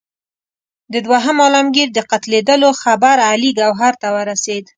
د دوهم عالمګیر د قتلېدلو خبر علي ګوهر ته ورسېد.